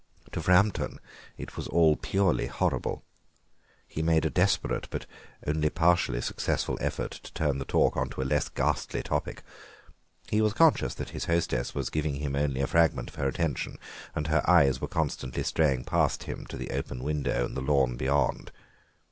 To Framton it was all purely horrible. He made a desperate but only partially successful effort to turn the talk on to a less ghastly topic; he was conscious that his hostess was giving him only a fragment of her attention, and her eyes were constantly straying past him to the open window and the lawn beyond.